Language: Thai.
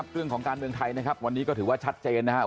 เรื่องของการเมืองไทยนะครับวันนี้ก็ถือว่าชัดเจนนะครับ